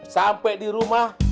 sampai di rumah